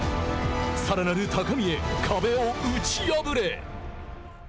さらなる高みへ壁を打ち破れ。